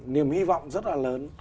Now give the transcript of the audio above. niềm hy vọng rất là lớn